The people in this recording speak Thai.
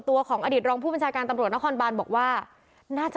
ของอดีตรองผู้บัญชาการตำรวจนครบานบอกว่าน่าจะ